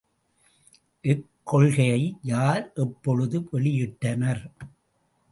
இக்கொள்கையை யார் எப்பொழுது வெளியிட்டனர்?